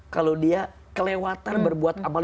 kalau dia kelewatan berbuat amal